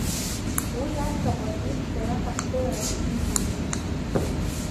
Уи аца ҟәаз еиԥшу араҟа, ҳгәылара аӡәгьы имамызт.